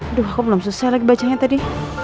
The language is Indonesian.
aduh kok belum selesai lagi bacanya tadi